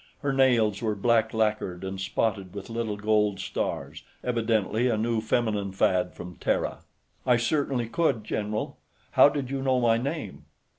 Her nails were black lacquered and spotted with little gold stars, evidently a new feminine fad from Terra. "I certainly could, general.... How did you know my name?"